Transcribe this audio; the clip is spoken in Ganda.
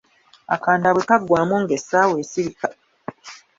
Akanda bwe kaggwamu ng'essaawa esirika.